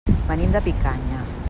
Venim de Picanya.